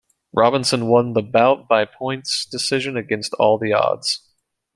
Robinson won the bout by a points decision against all the odds.